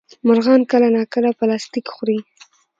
مرغان کله ناکله پلاستيک خوري.